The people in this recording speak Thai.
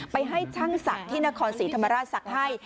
ไปให้ช่างศักดิ์ที่นครศรีธรรมราชศักดิ์ให้